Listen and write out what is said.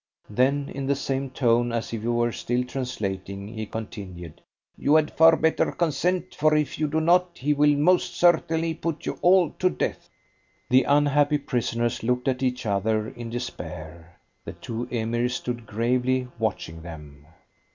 Then in the same tone, as if he were still translating, he continued: "You had far better consent, for if you do not he will most certainly put you all to death." The unhappy prisoners looked at each other in despair. The two Emirs stood gravely watching them.